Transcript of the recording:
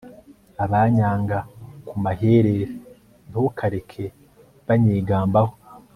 abanyanga ku maherere ntukareke banyigambaho,